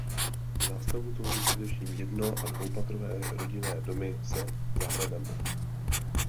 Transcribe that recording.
Zástavbu tvoří především jedno a dvoupatrové rodinné domy se zahradami.